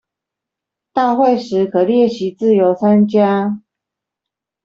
大會時可列席自由參加